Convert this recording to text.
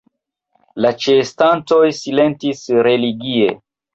La ĉeestantoj silentis religie.